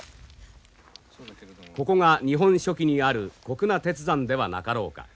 ここが「日本書紀」にある谷那鉄山ではなかろうか。